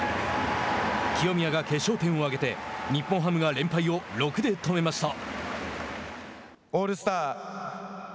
清宮が決勝点を挙げて日本ハムが連敗を６で止めました。